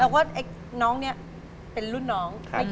แต่ว่าน้องเนี่ยเป็นรุ่นน้อง